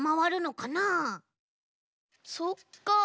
そっか。